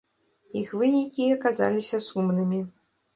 Іх вынікі аказаліся сумнымі.